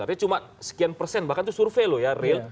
artinya cuma sekian persen bahkan itu survei loh ya real